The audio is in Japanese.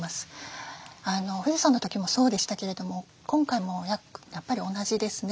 富士山の時もそうでしたけれども今回もやっぱり同じですね。